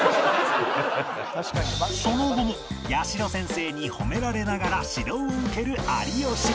その後も八代先生に褒められながら指導を受ける有吉